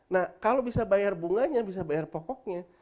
nah kalau bisa bayar bunganya bisa bayar pokoknya